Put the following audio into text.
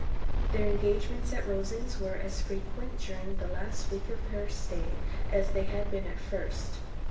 Their engagements at Rosings were as frequent during the last week of her stay as they had been at first.